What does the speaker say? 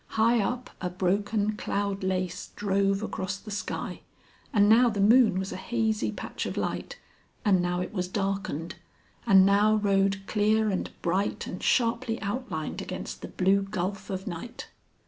High up a broken cloud lace drove across the sky, and now the moon was a hazy patch of light, and now it was darkened, and now rode clear and bright and sharply outlined against the blue gulf of night.